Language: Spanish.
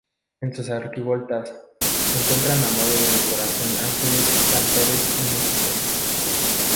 En sus arquivoltas, se encuentran a modo de decoración ángeles cantores y músicos.